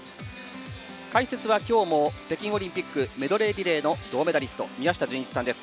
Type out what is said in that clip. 解説は今日も北京オリンピックメドレーリレーの銅メダリスト、宮下純一さんです。